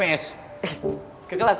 ke kelas pak